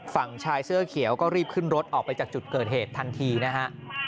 ฝั่งชายเสื้อเขียวก็รีบขึ้นรถออกไปจากจุดเกิดเหตุทันทีนะฮะ